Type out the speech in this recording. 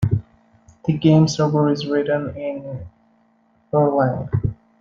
The game server is written in Erlang.